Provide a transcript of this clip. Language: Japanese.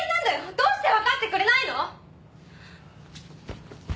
どうしてわかってくれないの！？